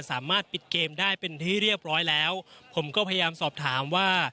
สามารถปิดเกมได้เป็นที่เรียบร้อยแล้วผมก็พยายามสอบถามว่า